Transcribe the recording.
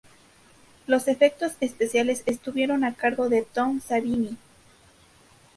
Los efectos especiales estuvieron a cargo de Tom Savini.